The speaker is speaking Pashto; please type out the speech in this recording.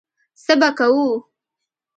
څه به کوو.